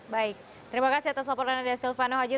baik terima kasih atas laporan anda silvano haji